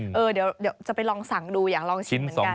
เดี๋ยวจะไปลองสั่งดูอยากลองชิมเหมือนกัน